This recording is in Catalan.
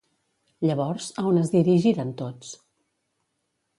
Llavors, a on es dirigiren tots?